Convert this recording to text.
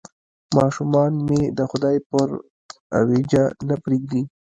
ماشومان مې د خدای پر اوېجه نه پرېږدي.